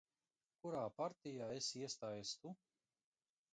Kurā partijā esi iestājies Tu?